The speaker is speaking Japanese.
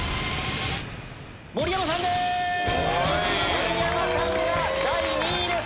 盛山さんが第２位です！